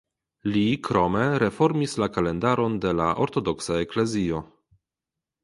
Li krome reformis la kalendaron de la Ortodoksa Eklezio.